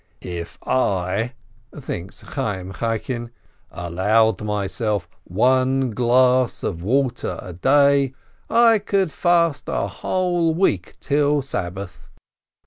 "If I" (thinks Chayyim Chaikin) "allowed myself one glass of water a day, I could fast a whole week till Sabbath."